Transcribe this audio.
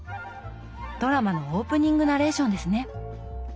ドラマのオープニングナレーションですね。